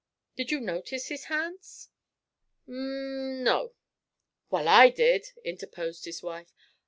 'Did you notice his hands?' 'M no.' 'Wal, I did!' interposed his wife.